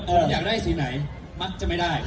อยากได้สีไหนมักจะไม่ได้